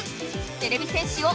てれび戦士よ